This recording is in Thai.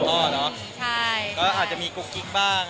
ก็อาจจะมีกุ๊กกิ๊กบ้าง